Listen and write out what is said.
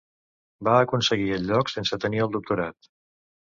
Va aconseguir el lloc sense tenir el doctorat.